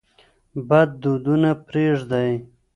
بد دودونه پرېږدئ.